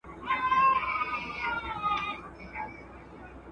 دارغنداب سیند د تاریخ په اوږدو کې ارزښت درلود.